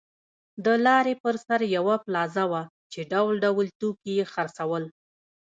د لارې پر سر یوه پلازه وه چې ډول ډول توکي یې خرڅول.